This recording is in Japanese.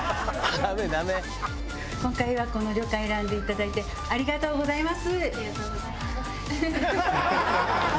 今回はこの旅館を選んでいただいてありがとうございます。